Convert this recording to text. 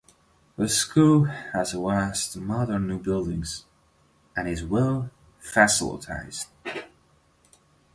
The school has a vast and modern new building and is well facilitated.